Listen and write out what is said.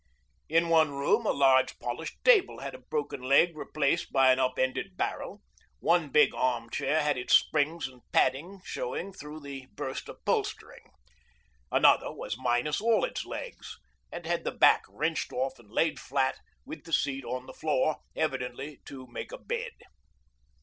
In one room a large polished table had a broken leg replaced by an up ended barrel, one big arm chair had its springs and padding showing through the burst upholstering. Another was minus all its legs, and had the back wrenched off and laid flat with the seat on the floor, evidently to make a bed.